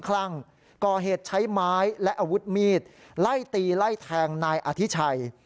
ไล่ตีไล่แทงนายอธิชัย